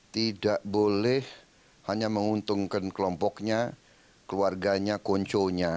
tidak boleh hanya menguntungkan kelompoknya keluarganya konconya